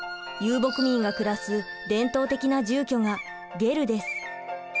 遊牧民が暮らす伝統的な住居がゲルです。